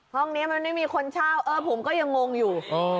ห้องนี้ไม่มีคนเช่าก็ยังกงอยู่